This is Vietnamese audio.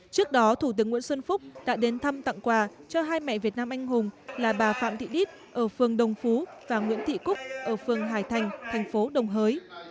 trước đó thủ tướng nguyễn xuân phúc đã đến thăm tặng quà cho hai mẹ việt nam anh hùng là bà phạm thị đít ở phường đồng phú và nguyễn thị cúc ở phường hải thành thành phố đồng hới